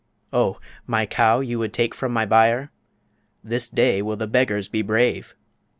Oh! my cow you would take from my byre? This day will the beggars be brave!